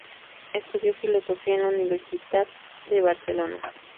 Estudió Filosofía en la Universitat de Barcelona.